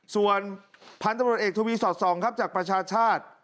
ส่วนพันธุ์ตำรวจเอกทวีสอดส่องครับจากประชาชาติ